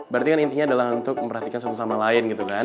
berarti kan intinya adalah untuk memperhatikan satu sama lain gitu kan